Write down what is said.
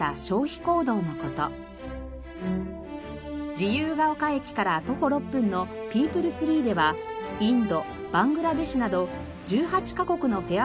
自由が丘駅から徒歩６分のピープルツリーではインドバングラデシュなど１８カ国のフェア